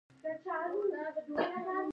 جرئت د شک زېږنده دی.